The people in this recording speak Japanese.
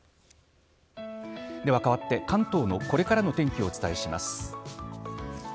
ではかわって関東のこれからの天気をお伝えします。